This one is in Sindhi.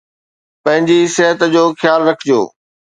پنهنجي صحت جو خيال رکجو